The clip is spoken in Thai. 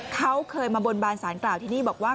เขาเคยมาบนบานสารกล่าวที่นี่บอกว่า